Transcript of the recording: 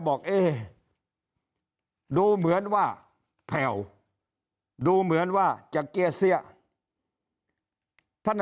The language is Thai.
เอ๊ดูเหมือนว่าแผ่วดูเหมือนว่าจะเกี้ยเสี้ยท่าน